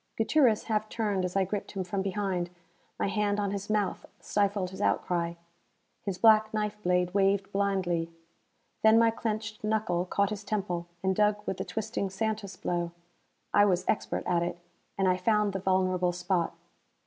Gutierrez half turned as I gripped him from behind. My hand on his mouth stifled his outcry. His black knife blade waved blindly. Then my clenched knuckle caught his temple, and dug with the twisting Santus blow. I was expert at it, and I found the vulnerable spot.